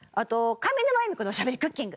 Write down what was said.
『上沼恵美子のおしゃべりクッキング』。